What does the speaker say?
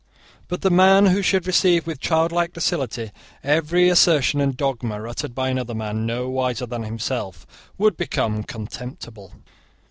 But the man who should receive with childlike docility every assertion and dogma uttered by another man no wiser than himself would become contemptible.